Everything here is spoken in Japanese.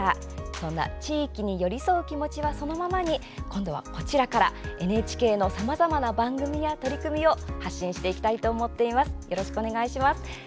そんな地域に寄り添う気持ちはそのままに今度はこちらからＮＨＫのさまざまな番組や取り組みを発信していきたいと思います。